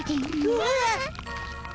うわっ。